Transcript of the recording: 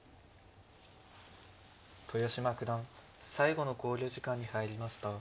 豊島九段最後の考慮時間に入りました。